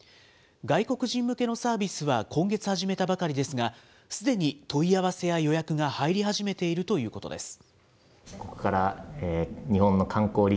外国人向けのサービスは今月始めたばかりですが、すでに問い合わせや予約が入り始めているということです。